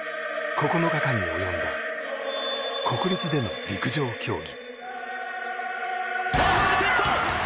９日間に及んだ国立での陸上競技。